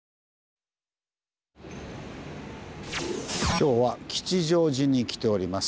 今日は吉祥寺に来ております。